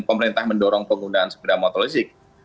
pemerintah mendorong penggunaan sepeda motor listrik